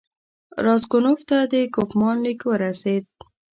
راسګونوف ته د کوفمان لیک ورسېد.